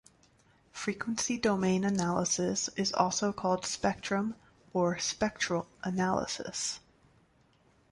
Frequency domain analysis is also called "spectrum-" or "spectral analysis".